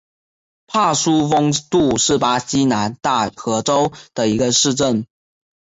帕苏丰杜是巴西南大河州的一个市镇。